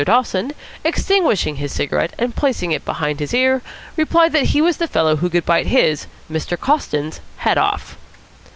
Dawson, extinguishing his cigarette and placing it behind his ear, replied that he was the fellow who could bite his, Mr. Coston's, head off.